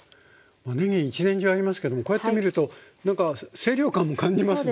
ねぎ一年中ありますけどもこうやって見るとなんか清涼感感じますね。